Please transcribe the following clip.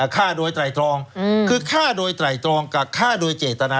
ฆ่าโดยไตรตรองคือฆ่าโดยไตรตรองกับฆ่าโดยเจตนา